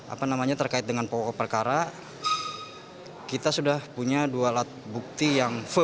apa namanya terkait dengan pokok perkara kita sudah punya dua alat bukti yang firm